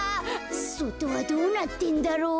そとはどうなってんだろう。